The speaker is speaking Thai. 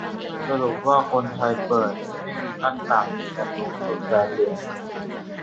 สรุปว่า คนไทยเปิด ไม่มีขั้นต่ำ แต่สูงสุด แสนเหรียญ